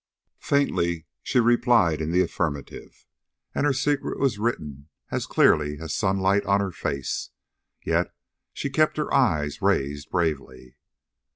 Faintly she replied in the affirmative, and her secret was written as clearly as sunlight on her face. Yet she kept her eyes raised bravely.